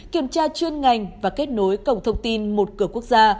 kiểm tra chuyên ngành và kết nối cổng thông tin một cửa quốc gia